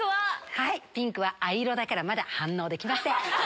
ピンクは藍色だからまだ反応できません。